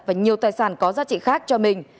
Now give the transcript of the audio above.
và nhiều tài sản có giá trị khác cho mình